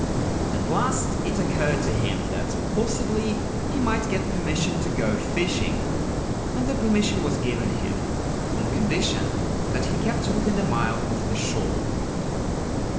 At last it occurred to him that possibly he might get permission to go fishing ; and the permission was given him, on condition that he kept within a mile of the shore.